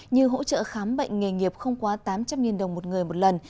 như hỗ trợ khám bệnh nghề nghiệp không quá tám trăm linh đồng một người một lần